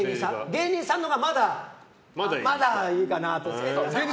芸人さんのほうがまだいいかなと。